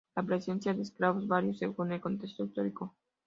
La presencia de esclavos varió según el contexto histórico.